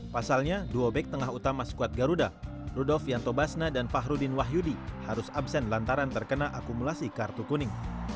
pasalnya duo back tengah utama skuad garuda rudolvianto basna dan fahrudin wahyudi harus absen lantaran terkena akumulasi kartu kuning